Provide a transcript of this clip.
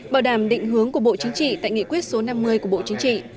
bảo đảm định hướng của bộ chính trị tại nghị quyết số năm mươi của bộ chính trị